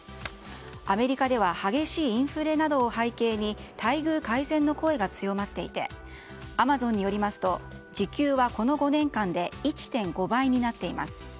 アメリカでは激しいインフレなどを背景に待遇改善の声が強まっていてアマゾンによりますと時給はこの５年間で１．５倍になっています。